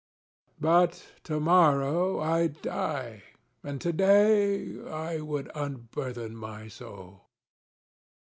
But to morrow I die, and to day I would unburthen my soul.